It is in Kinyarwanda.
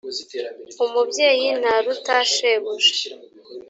umubyeyi ntaruta shebuja.